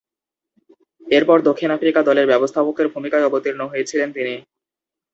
এরপর দক্ষিণ আফ্রিকা দলের ব্যবস্থাপকের ভূমিকায় অবতীর্ণ হয়েছিলেন তিনি।